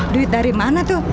duit dari mana tuh